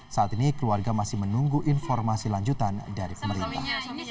saat ini keluarga masih menunggu informasi lanjutan dari pemerintah